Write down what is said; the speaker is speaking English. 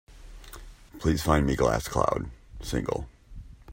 Please find me Glass Cloud – Single.